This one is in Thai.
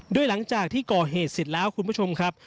โดยหลังจากที่ก่อเหตุเสร็จแล้วคุณผู้ชมครับ